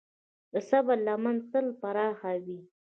د صبر لمن تل پراخه وي.